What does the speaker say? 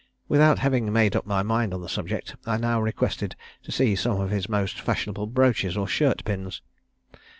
Without having made up my mind on the subject, I now requested to see some of his most fashionable brooches or shirt pins.